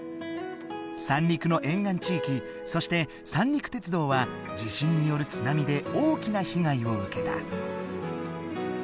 三陸の沿岸地域そして三陸鉄道は地震による津波で大きな被害を受けた。